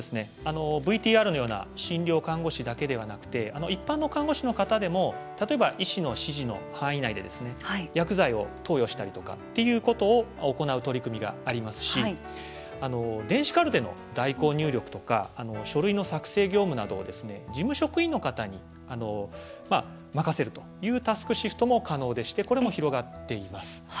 ＶＴＲのような診療看護師だけではなくて一般の看護師の方でも例えば医師の指示の範囲内で薬剤を投与したりとかということを行う取り組みがありますし電子カルテの代行入力とか書類の作成業務などを事務職員の方に任せるというタスクシフトも可能でしてこれも広がっています。